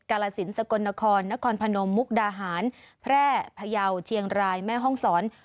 กาลสินสกลนครนครพนมมุกดาหารแพร่พยาวเชียงรายแม่ห้องศร